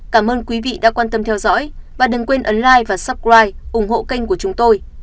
cảm ơn quý vị đã quan tâm theo dõi và đừng quên ấn lai và supride ủng hộ kênh của chúng tôi